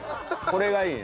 これがいい。